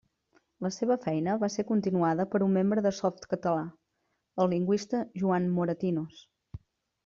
La seva feina va ser continuada per un membre de Softcatalà, el lingüista Joan Moratinos.